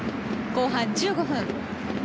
後半１５分。